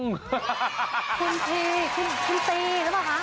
คุณตีคุณตีใช่ป่ะคะ